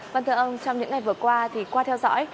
vâng thưa ông trong những ngày vừa qua thì qua theo dõi